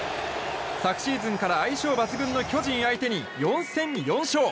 昨シーズンから相性抜群の巨人相手に４戦４勝！